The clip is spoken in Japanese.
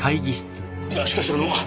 いやしかしあの！